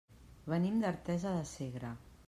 Venim d'Artesa de Segre.